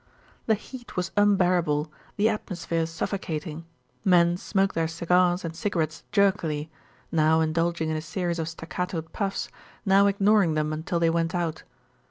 The heat was unbearable, the atmosphere suffocating. Men smoked their cigars and cigarettes jerkily, now indulging in a series of staccatoed puffs, now ignoring them until they went out.